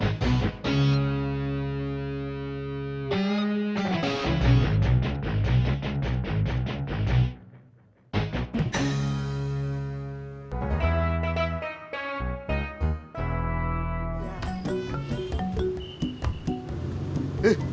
memikirkan hal itu bos